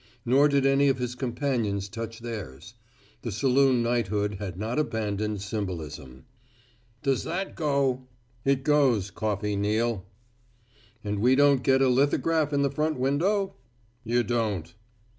Nor did any of his companions touch theirs. The saloon knighthood has not abandoned symbolism. "Does that go?" "It goes, Coffey Neal." "And we don't get a lithograph in the front window?" "You don't."